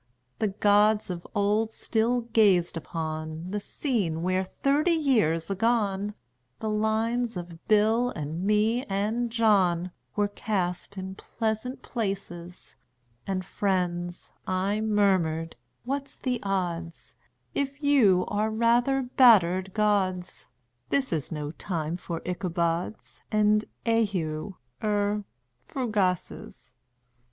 The gods of old still gazed upon The scene where, thirty years agone, The lines of Bill and me and John Were cast in pleasant places; And "Friends," I murmured, "what's the odds If you are rather battered gods? This is no time for Ichabods And eheu er fugaces."